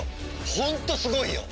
ホントすごいよ！